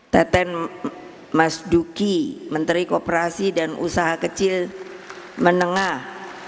teten mas duki menteri kooperasi dan usaha kecil menengah